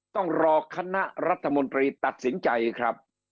ต้องรอคณะรัฐมนตรีตัดสินใจครับ